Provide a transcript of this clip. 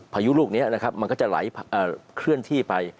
พายุลูกนี้นะครับมันก็จะไหลเคลื่อนที่ไป